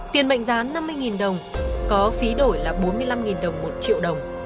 tiền mệnh giá năm mươi đồng có phí đổi là bốn mươi năm đồng một triệu đồng